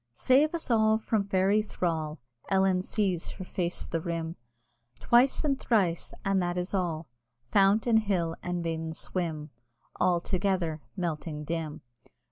Save us all from Fairy thrall! Ellen sees her face the rim Twice and thrice, and that is all Fount and hill and maiden swim All together melting dim!